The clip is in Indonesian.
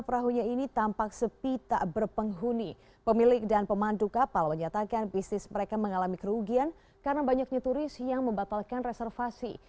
pada kisah kisah mereka mengalami kerugian karena banyaknya turis yang membatalkan reservasi